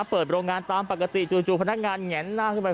เปิดโรงงานตามปกติจู่พนักงานแงนหน้าขึ้นไป